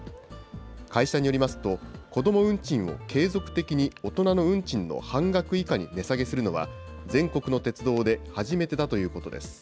会社によりますと、子ども運賃を継続的に大人の運賃の半額以下に値下げするのは、全国の鉄道で初めてだということです。